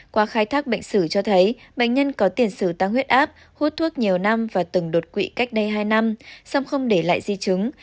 qua khai thác bệnh sử cho thấy bệnh nhân có tiền sử tăng huyết áp hút thuốc nhiều năm và từng đột quỵ cách đây hai năm xong không để lại di chứng